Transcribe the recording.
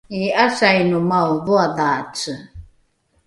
i’asainomao dhoadhaace?